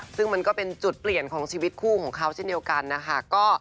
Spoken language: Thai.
ซึ่งมันก็เป็นจุดเปลี่ยนของชีวิตคู่ของเขาเช่นเดียวกันนะคะ